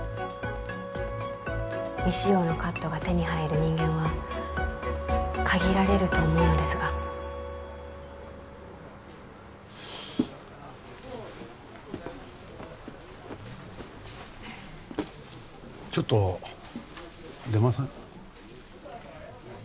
未使用のカットが手に入る人間は限られると思うのですがちょっと出ません？